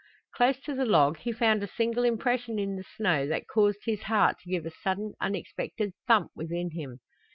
Close to the log he found a single impression in the snow that caused his heart to give a sudden unexpected thump within him.